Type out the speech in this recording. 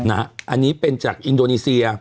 อันนี้เป็นจากอินโดนีเซีย